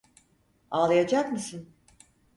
Ağlayacak mısın?